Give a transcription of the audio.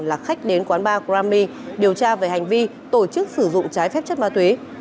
là khách đến quán ba grami điều tra về hành vi tổ chức sử dụng trái phép chất ma túy